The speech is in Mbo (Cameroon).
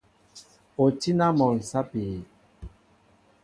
O tí na mol sapi?